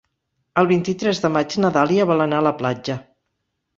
El vint-i-tres de maig na Dàlia vol anar a la platja.